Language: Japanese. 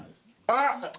あっ！